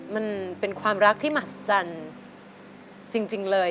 มันเป็นความรักที่มหัศจรรย์จริงเลย